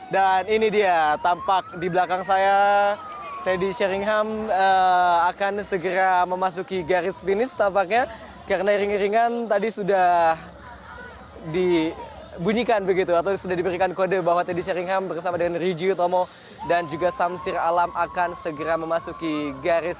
dan ini dia tampak di belakang saya teddy sheringham akan segera memasuki garis finish tampaknya karena ring ringan tadi sudah dibunyikan begitu atau sudah diberikan kode bahwa teddy sheringham bersama dengan riju tomo dan juga samsir alam akan segera memasuki garis finish